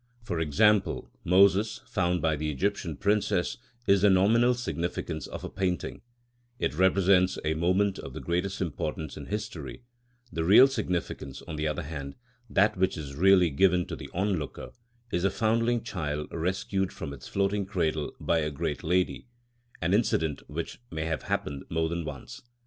For example, Moses found by the Egyptian princess is the nominal significance of a painting; it represents a moment of the greatest importance in history; the real significance, on the other hand, that which is really given to the onlooker, is a foundling child rescued from its floating cradle by a great lady, an incident which may have happened more than once.